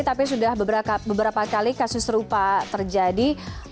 tapi sudah beberapa kali kasus serupa terjadi